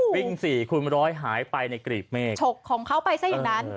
วิ่ง๔คูณร้อยหายไปในกรีบเมฆฉกของเขาไปซะอย่างนั้น